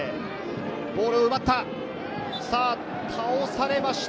ボールを奪った。